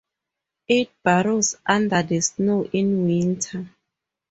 It burrows under the snow in winter.